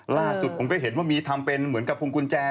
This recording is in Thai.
ล่าสุดผมก็เห็นว่ามีทำเป็นเหมือนกับพุงกุญแจ